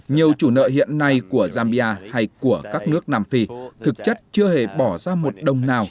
nhiều chủ nợ hiện nay của zambia hay của các nước nam phi thực chất chưa hề bỏ ra một đồng nào